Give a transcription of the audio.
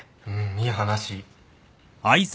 いい話。